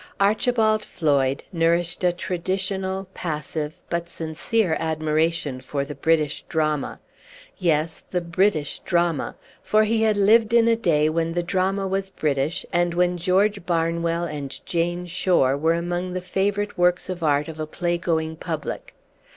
Archibald Floyd nourished a traditional, passive, but sincere admiration for the British Drama. Yes, the British Drama; for he had lived in a day when the drama was British, and when George Barnwell and Jane Shore were among the favorite works of art of a play going public.